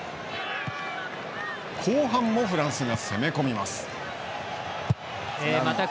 後半もフランスが攻め込みます。